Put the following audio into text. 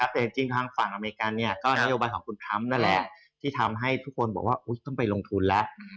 แต่จริงทางฝั่งอเมริกันเนี่ยก็นโยบายของคุณทรัมป์นั่นแหละที่ทำให้ทุกคนบอกว่าต้องไปลงทุนแล้ว